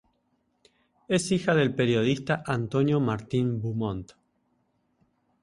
Es hija del periodista Antonio Martín Beaumont.